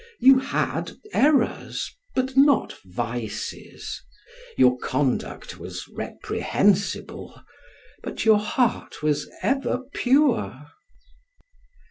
You had errors, but not vices; your conduct was reprehensible, but your heart was ever pure.